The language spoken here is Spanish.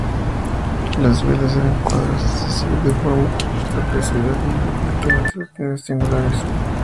Las velas eran cuadras, es decir, de forma trapezoidal, y frecuentemente latinas o triangulares.